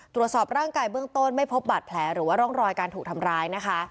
ตรวจสอบร่างกายเบื้องต้นไม่พบบาดแผลหรือว่าร่องรอยการถูกทำร้ายนะคะ